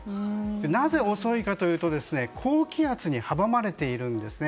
なぜ遅いかというと高気圧に阻まれているんですね。